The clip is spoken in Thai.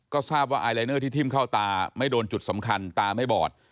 ก็ทราบว่าไอลายเนอร์ที่ทิ้มเข้าตาไม่โดนจุดสำคัญตาไม่บอด